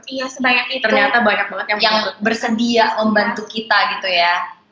iya sebenarnya itu yang bersedia membantu kita gitu ya